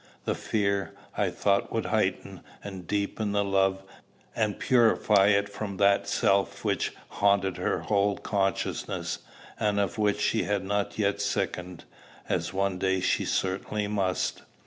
The fear, I thought, would heighten and deepen the love, and purify it from that self which haunted her whole consciousness, and of which she had not yet sickened, as one day she certainly must.